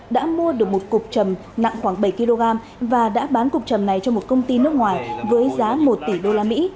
đã mua được một cục trầm nặng khoảng bảy kg và đã bán cục trầm này cho một công ty nước ngoài với giá một tỷ usd